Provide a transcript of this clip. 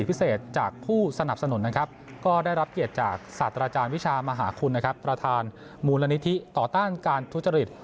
มหาคุณนะครับประธานมูลนิธิต่อต้านการทุจริต